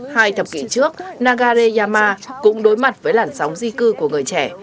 hai thập kỷ trước nagareyama cũng đối mặt với làn sóng di cư của người trẻ